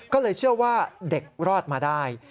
ก็เลยเชื่อว่าเด็กรอดมาได้